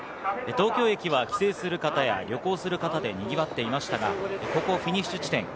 東京駅は帰省する方や旅行する方でにぎわっていましたが、フィニッシュ地点。